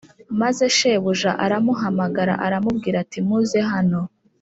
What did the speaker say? Maze shebuja aramuhamagara aramubwira ati muze hano